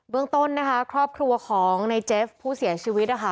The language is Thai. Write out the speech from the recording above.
เมืองต้นนะคะครอบครัวของในเจฟผู้เสียชีวิตนะคะ